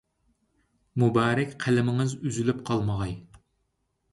مۇبارەك قەلىمىڭىز ئۈزۈلۈپ قالمىغاي.